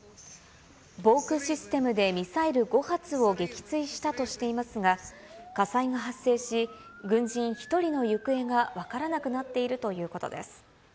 防空システムでミサイル５発を撃墜したとしていますが、火災が発生し、軍人１人の行方が分からなくなっているということです。